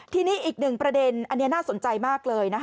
ทีนี้อีกหนึ่งประเด็นอันนี้น่าสนใจมากเลยนะคะ